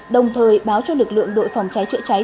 đồng thời báo cho lực lượng đội phòng cháy chữa cháy